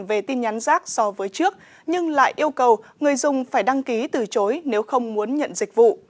về tin nhắn rác so với trước nhưng lại yêu cầu người dùng phải đăng ký từ chối nếu không muốn nhận dịch vụ